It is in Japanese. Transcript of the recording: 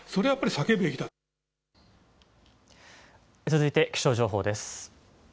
続いて、気象情報です。